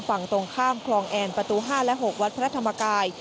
ฝั่งตรงข้ามคลองแอนประตู๕และ๖วัดพระธรรมกาย